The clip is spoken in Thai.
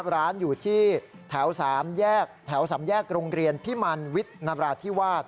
ร้านอยู่ที่แถว๓แยกแถว๓แยกโรงเรียนพิมันวิทย์นราธิวาส